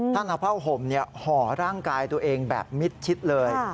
ท่านเอาผ้าห่มห่อร่างกายตัวเองแบบมิดชิดเลย